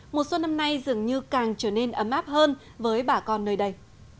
một số năm nay dường như càng trở nên ấm áp hơn với bà con nơi đây